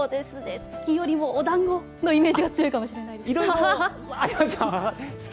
月よりもお団子のイメージが強いかもしれないです。